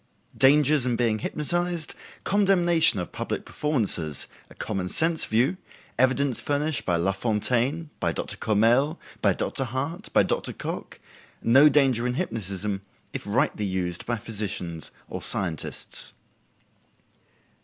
Dangers in Being Hypnotized.—Condemnation of Public Performances.—A. Common Sense View.—Evidence Furnished by Lafontaine.—By Dr. Courmelles.—By. Dr. Hart.—By Dr. Cocke.—No Danger in Hypnotism if Rightly Used by Physicians or Scientists.